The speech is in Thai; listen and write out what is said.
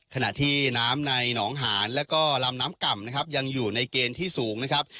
ขณะที่น้ำในหนองหานแล้วก็ลำน้ำก่ำนะครับยังอยู่ในเกณฑ์ที่สูงนะครับ